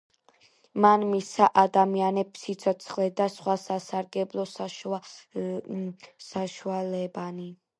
მან მისცა ადამიანებს სიცოცხლე და სხვა საარსებო საშუალებანი.